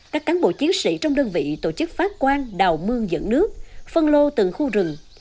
các cán bộ chiến sĩ trong đơn vị tổ chức phát quan đào mương dẫn nước phân lô từng khu rừng